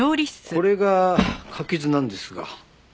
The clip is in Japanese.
これが柿酢なんですが。